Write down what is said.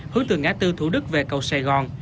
hướng từ ngã tư thủ đức về cầu sài gòn